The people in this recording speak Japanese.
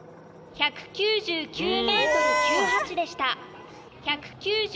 １９９．９８ｍでした。